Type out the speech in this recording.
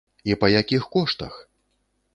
І па якіх коштах!